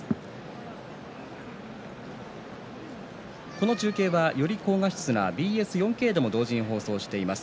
この中継は、より高画質なＢＳ４Ｋでも同時に放送しています。